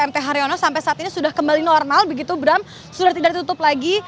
mt haryono sampai saat ini sudah kembali normal begitu bram sudah tidak ditutup lagi